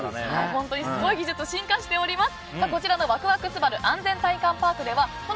本当にすごい技術進化しております。